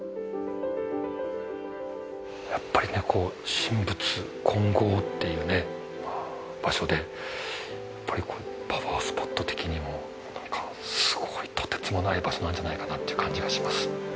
やっぱり神仏混合っていう場所でパワースポット的にもなんかすごいとてつもない場所なんじゃないかなっていう感じがします。